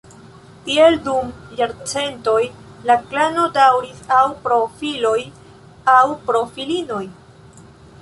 Tiel dum jarcentoj la klano daŭris aŭ pro filoj aŭ pro filinoj.